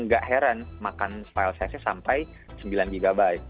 gak heran makan file size nya sampai sembilan gb